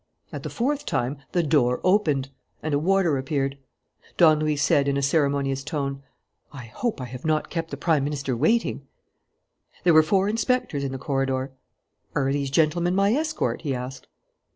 At the fourth time, the door opened, and a warder appeared. Don Luis said, in a ceremonious tone: "I hope I have not kept the Prime Minister waiting?" There were four inspectors in the corridor. "Are these gentlemen my escort?" he asked.